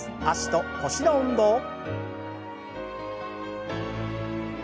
脚と腰の運動。